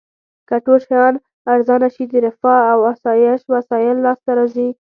که ټول شیان ارزانه شي د رفاه او اسایش وسایل لاس ته راځي.